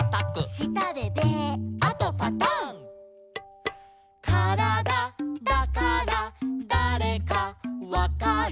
「したでベー」「あとパタン」「からだだからだれかわかる」